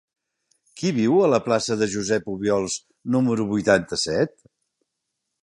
Qui viu a la plaça de Josep Obiols número vuitanta-set?